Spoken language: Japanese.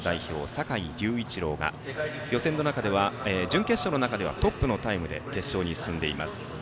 坂井隆一郎が準決勝の中ではトップのタイムで決勝に進んでいます。